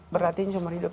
berlatih seumur hidup